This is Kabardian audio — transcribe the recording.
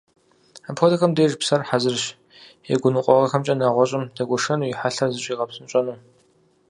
Апхуэдэхэм деж псэр хьэзырщ и гуныкъуэгъуэхэмкӀэ нэгъуэщӀым дэгуэшэну, и хьэлъэр зыщигъэпсынщӀэну.